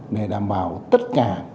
để đảm bảo tất cả